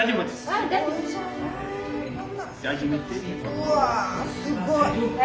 うわすごい！